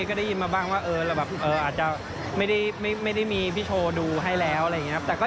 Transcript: ก็ได้ยินมาบ้างว่าเราแบบอาจจะไม่ได้มีพี่โชว์ดูให้แล้วอะไรอย่างนี้ครับ